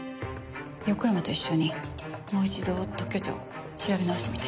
横山と一緒にもう一度特許庁調べ直してみて。